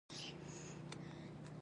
سیمې یې له لاسه ورکړې.